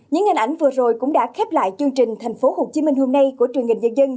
những hình ảnh vừa rồi cũng đã khép lại chương trình thành phố hồ chí minh hôm nay của truyền hình